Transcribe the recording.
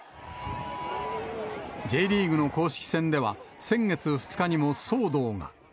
Ｊリーグの公式戦では、先月２日にも騒動が。